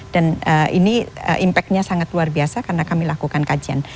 dan ini impact nya sangat luar biasa karena kami lakukan kajian